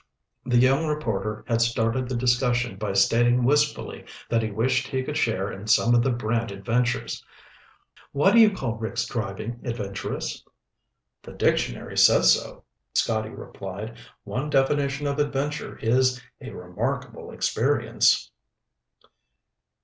The young reporter had started the discussion by stating wistfully that he wished he could share in some of the Brant adventures. "Why do you call Rick's driving adventurous?" she asked. "The dictionary says so," Scotty replied. "One definition of adventure is 'a remarkable experience.'"